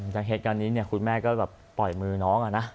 จากเหตุการณ์นี้คุณแม่ก็แบบปล่อยมือน้องอะนะ